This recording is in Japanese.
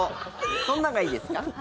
どんなのがいいですか？